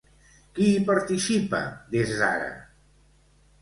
Qui hi participa des d'ara?